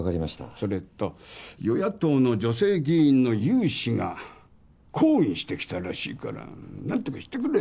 それと与野党の女性議員の有志が抗議してきたらしいから何とかしてくれ。